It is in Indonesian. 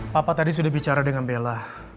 papa tadi sudah bicara dengan bella